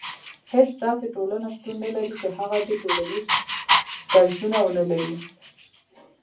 هيڅ داسي ټولنه شتون نه لري چي هغه دي ټولنيز درځونه ونلري